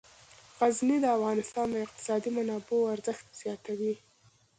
غزني د افغانستان د اقتصادي منابعو ارزښت زیاتوي.